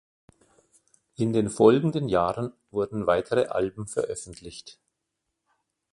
In den folgenden Jahren wurden weitere Alben veröffentlicht.